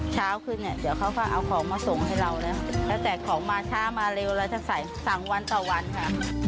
เช้าขึ้นเนี่ยเดี๋ยวเขาก็เอาของมาส่งให้เราแล้วแล้วแต่ของมาช้ามาเร็วเราจะใส่๓วันต่อวันค่ะ